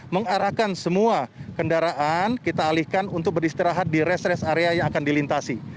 mengarahkan semua kendaraan kita alihkan untuk beristirahat di rest rest area yang akan dilintasi